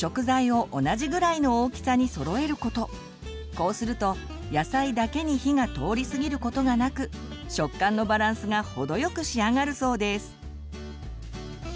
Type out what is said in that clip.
こうすると野菜だけに火が通り過ぎることがなく食感のバランスが程よく仕上がるそうです。